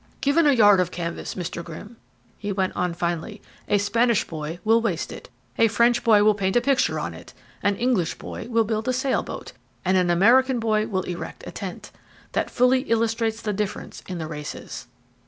"Given a yard of canvas, Mr. Grimm," he went on finally, "a Spanish boy will waste it, a French boy will paint a picture on it, an English boy will built a sail boat, and an American boy will erect a tent. That fully illustrates the difference in the races."